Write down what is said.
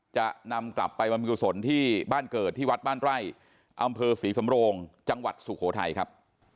จะนำกลับไปบรรพิกุศลที่บ้านเกิดที่วัดบ้านไร่อำเภอศรีสำโรงจังหวัดสุโขทัยครับ